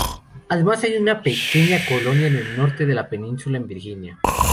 Además, hay una pequeña colonia en el norte de la península en Virginia.